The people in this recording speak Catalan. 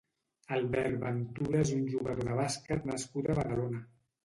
Albert Ventura és un jugador de bàsquet nascut a Badalona.